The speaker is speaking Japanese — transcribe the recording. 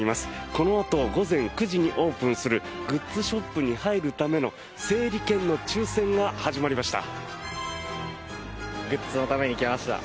このあと午前９時にオープンするグッズショップに入るための整理券の抽選が始まりました。